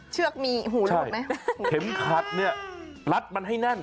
เชือกมีหูหลบไหมหูหลบใช่เข็มขัดนี่รัดมันให้แน่น